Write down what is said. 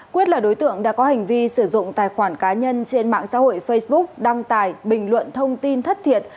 quyết là đối tượng đã có hành vi sử dụng tài khoản cá nhân trên mạng xã hội facebook đăng tải bình luận thông tin thất thiệt